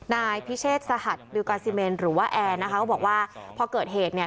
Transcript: นายพิเชษสหัสดิวกาซิเมนหรือว่าแอร์นะคะก็บอกว่าพอเกิดเหตุเนี่ย